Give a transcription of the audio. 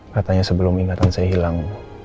katanya sebelum ingatan saya hilang